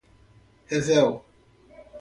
revel